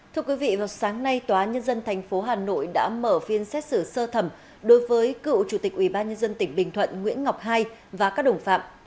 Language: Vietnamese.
thưa quý vị vào sáng nay tòa nhân dân tp hà nội đã mở phiên xét xử sơ thẩm đối với cựu chủ tịch ubnd tỉnh bình thuận nguyễn ngọc hai và các đồng phạm